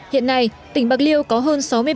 hiện nay tỉnh bắc đông đã được tổ chức